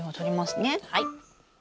はい。